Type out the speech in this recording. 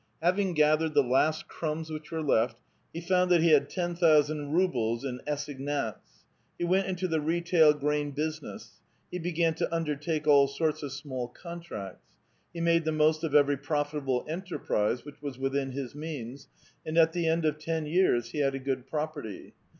Having gathered the last crumbs which were left, he found that he had ten thousand rubles in assignats. He went into the retail grain business ; he began to undertake all sorts of small contracts ; he made the most of every profitable enter prise which was within his means, and at the end of ten years he had a good property.